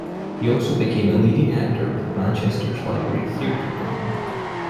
He also became a leading actor with Manchester's Library Theatre Company.